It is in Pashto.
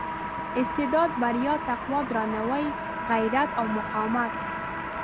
استعداد بریا تقوا درناوي غیرت او مقاومت.